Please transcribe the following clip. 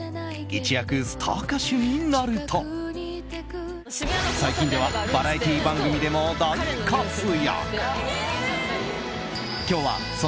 一躍スター歌手になると最近ではバラエティー番組でも大活躍。